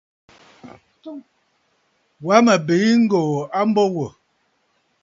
Wa mə̀ biì ŋ̀gòò a mbo wò.